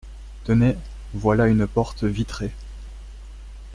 Tenez, voilà une porte vitrée.